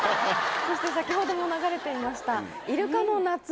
そして先ほども流れていました。